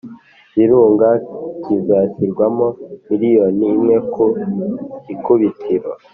Virunga, kizashyirwamo miliyoni imwe ku ikubitiro.